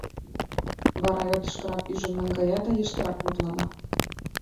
Вара ӧрдыжкырак ӱжын наҥгая да йыштрак мутлана.